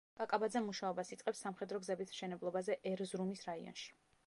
კაკაბაძე მუშაობას იწყებს სამხედრო გზების მშენებლობაზე ერზრუმის რაიონში.